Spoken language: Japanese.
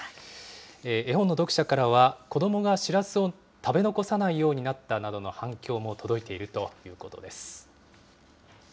絵本の読者からは、子どもがしらすを食べ残さないようになったなどと、反響も届いているということです。